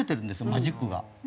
マジックが。